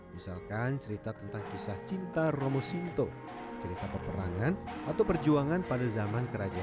misalkan cerita tentang kisah cinta romo sinto cerita peperangan atau perjuangan pada zaman kerajaan